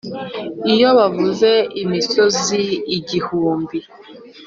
iyo bavuze imisozi igihumbi